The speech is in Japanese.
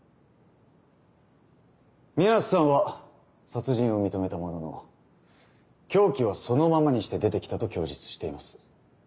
水無瀬さんは殺人を認めたものの凶器はそのままにして出てきたと供述しています。